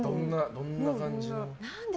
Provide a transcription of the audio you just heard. どんな感じの？